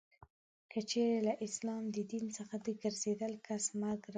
که چیري له اسلام د دین څخه د ګرځېدلې کس مرګ روا.